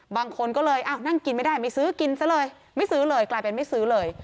บางคนก็เลยอ้าวนั่งกินไม่ได้ไม่ซื้อกินซะเลยไม่ซื้อเลยกลายเป็นไม่ซื้อเลย